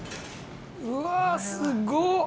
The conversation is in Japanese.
うわすごっ！